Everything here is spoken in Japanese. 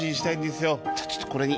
じゃあちょっとこれに。